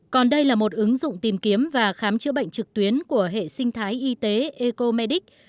còn đây là một ứng dụng tìm kiếm và khám chữa bệnh trực tuyến của hệ sinh thái y tế ecomedic